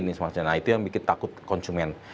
nah itu yang bikin takut konsumen